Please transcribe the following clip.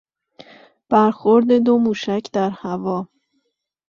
برخورد دو موشک در هوا